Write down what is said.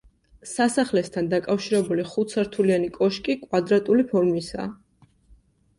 სასახლესთან დაკავშირებული ხუთსართულიანი კოშკი კვადრატული ფორმისაა.